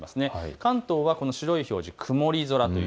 関東は白い表示、曇り空。